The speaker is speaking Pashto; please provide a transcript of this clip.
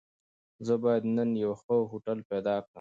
زه بايد نن يو ښه هوټل پيدا کړم.